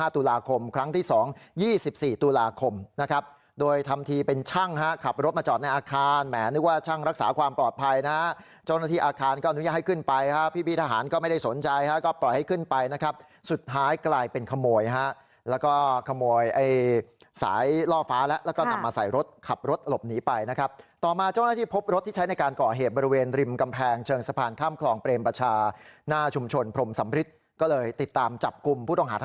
๑๔ตุลาคมนะครับโดยทำทีเป็นช่างฮะขับรถมาจอดในอาคารแหมนึกว่าช่างรักษาความปลอดภัยนะฮะเจ้าหน้าที่อาคารก็อนุญาตให้ขึ้นไปฮะพี่บีทหารก็ไม่ได้สนใจฮะก็ปล่อยให้ขึ้นไปนะครับสุดท้ายกลายเป็นขโมยฮะแล้วก็ขโมยสายล่อฟ้าแล้วก็นำมาใส่รถขับรถหลบหนีไปนะครับต่อมาเจ้าหน้าท